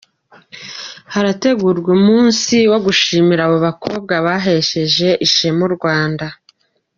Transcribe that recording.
Harategurwa umunsi wo gushimira abo bakobwa bahesheje ishema u Rwanda.